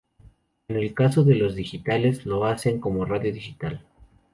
En el caso de las digitales, lo hacen como radio digital.